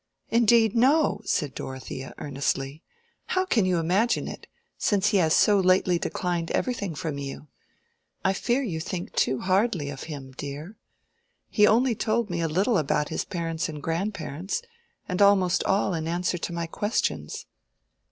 "Indeed, no!" said Dorothea, earnestly. "How can you imagine it, since he has so lately declined everything from you? I fear you think too hardly of him, dear. He only told me a little about his parents and grandparents, and almost all in answer to my questions.